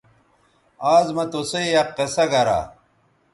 آز مہ تُسئ یک قصہ گرا